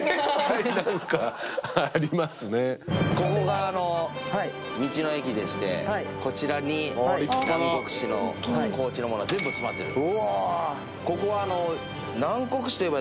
ここが道の駅でしてこちらに南国市の高知のものが全部詰まってる。